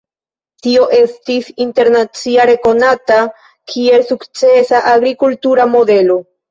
Tio estis internacia rekonata, kiel sukcesa agrikultura modelo.